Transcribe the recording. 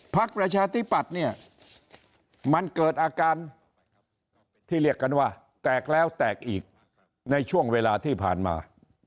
ประชาธิปัตย์เนี่ยมันเกิดอาการที่เรียกกันว่าแตกแล้วแตกอีกในช่วงเวลาที่ผ่านมา